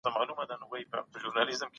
دغه دوه ډوله څېړني په خپل منځ کي توپیر نلري.